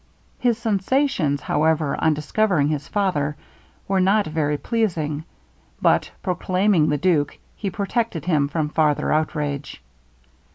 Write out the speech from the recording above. His sensations, however, on discovering his father, were not very pleasing; but proclaiming the duke, he protected him from farther outrage.